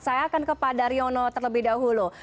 saya akan kepada daryono terlebih dahulu